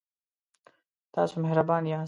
تاسو مهربان یاست